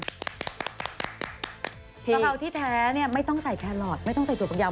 กะเพร่าที่แท้เนี่ยไม่ต้องใส่แครอทไม่ต้องใส่ถั่วปากยาว